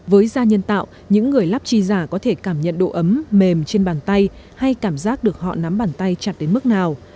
với da nhân tạo những người lắp chi giả có thể cảm nhận độ ấm mềm trên bàn tay hay cảm giác được họ nắm bàn tay chặt đến mức nào